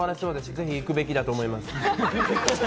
ぜひ行くべきだと思います。